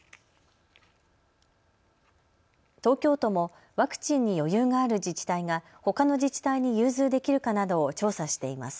東京都もワクチンに余裕がある自治体がほかの自治体に融通できるかなどを調査しています。